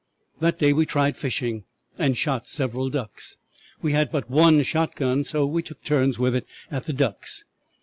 "'That day we tried fishing, and shot several ducks. We had but one shot gun, so took turns with it at the ducks.